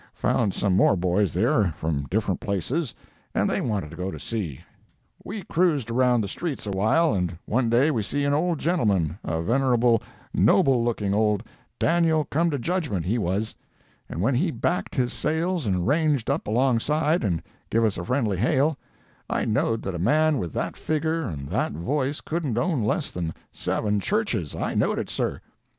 Found some more boys there from different places, and they wanted to go to sea. We cruised around the streets awhile, and one day we see an old gentleman—a venerable, noble looking old Daniel come to judgment he was,—and when he backed his sails and ranged up alongside and give us a friendly hail, I knowed that a man with that figure and that voice couldn't own less than seven churches—I knowed it, sir.